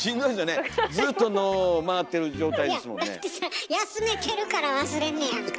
いやだってさ休めてるから忘れんねやんか。